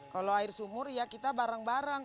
kalau air sumur ya kita barang barang